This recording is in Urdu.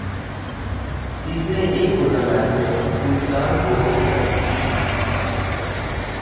تیسرے ایک روزہ میچ میں ہندوستان کو شکست